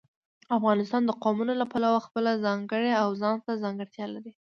افغانستان د قومونه له پلوه خپله ځانګړې او ځانته ځانګړتیا لري.